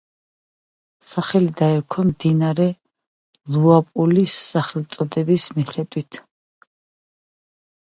სახელი დაერქვა მდინარე ლუაპულის სახელწოდების მიხედვით.